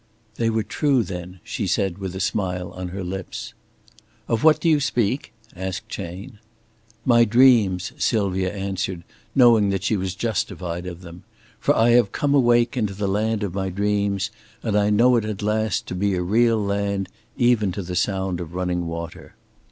"They were true, then," she said, with a smile on her lips. "Of what do you speak?" asked Chayne. "My dreams," Sylvia answered, knowing that she was justified of them. "For I have come awake into the land of my dreams, and I know it at last to be a real land, even to the sound of running water."